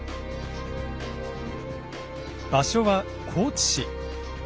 場所は高知市。